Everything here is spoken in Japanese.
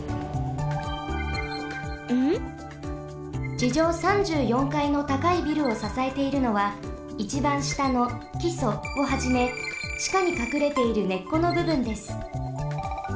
ちじょう３４かいのたかいビルをささえているのはいちばんしたのきそをはじめちかにかくれている根っこのぶぶんです。